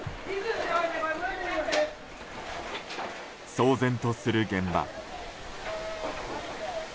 騒然とする現場。